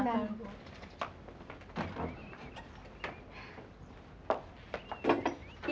ibu nya aja cantik bagaimana anaknya ya